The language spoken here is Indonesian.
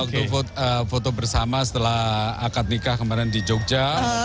waktu foto bersama setelah akad nikah kemarin di jogja